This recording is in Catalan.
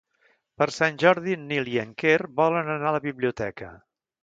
Per Sant Jordi en Nil i en Quer volen anar a la biblioteca.